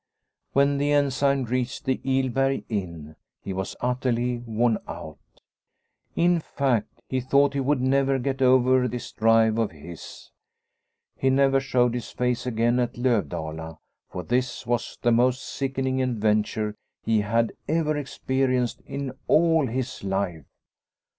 When the Ensign reached the Ilberg inn he was utterly worn out ; in fact, he thought he would never get over this drive of his. He never showed his face again at Lovdala, for this was the most sickening adventure he had ever experienced in all his life.